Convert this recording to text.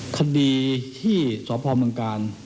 คดีที่สพก